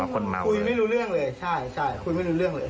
คนเมาเลยครับคุยไม่รู้เรื่องเลยใช่